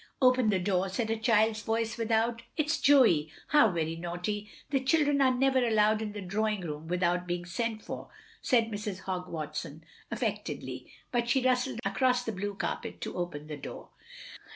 "Open the door," said a child's voice without.' " It is Joey. How very naughty ! The children are never allowed in the drawing room without being sent for," said Mrs. Hogg Watson, affect edly. But she rustled across the blue carpet to open the door.